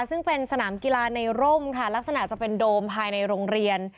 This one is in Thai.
ซึ่งเป็นสนามกีฬาในร่มค่ะลักษณะจะเป็นโดมภายในโรงเรียน